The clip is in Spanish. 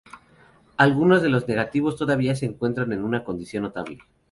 Algunos de los negativos todavía se encuentran en una condición notable.